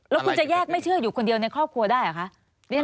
แล้วคุณจะแยกไม่เชื่ออยู่คนเดียวในครอบครัวได้เหรอคะ